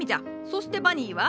そして「バニー」は？